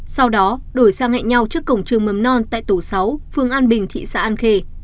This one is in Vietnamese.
sau đó đổi sang hẹn nhau trước cổng trường mầm non tại tổ sáu phương an bình thị xã an khê